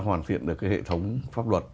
hoàn thiện được cái hệ thống pháp luật